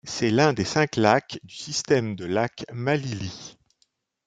C'est l'un des cinq lacs du système de lacs de Malili.